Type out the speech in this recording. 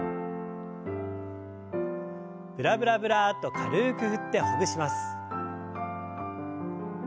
ブラブラブラッと軽く振ってほぐします。